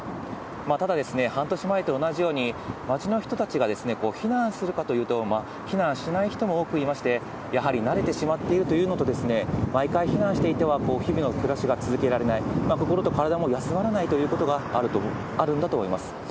ただ、半年前と同じように、街の人たちが避難するかというと、避難しない人も多くいまして、やはり慣れてしまっているというのと、毎回避難していては日々の暮らしが続けられない、心と体も休まらないということもあるんだと思います。